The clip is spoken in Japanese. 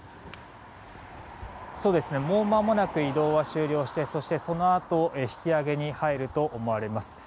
もうまもなく移動は終了してそのあと引き揚げに入ると思われます。